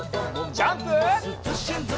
ジャンプ！